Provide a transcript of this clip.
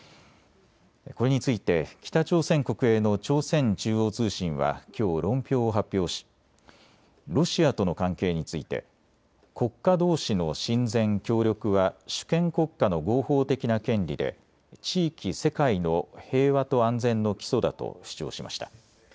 これについて北朝鮮国営の朝鮮中央通信はきょう論評を発表しロシアとの関係について国家どうしの親善・協力は主権国家の合法的な権利で地域、世界の平和と安全の基礎だと主張しました。